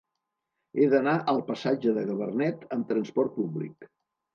He d'anar al passatge de Gabarnet amb trasport públic.